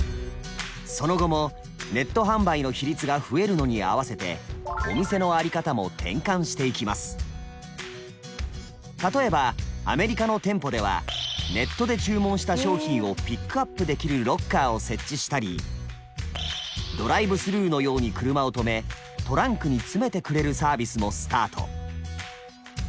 その後もネット販売の比率が増えるのに合わせて例えばアメリカの店舗ではネットで注文した商品をピックアップできるロッカーを設置したりドライブスルーのように車を止めトランクにつめてくれるサービスもスタート。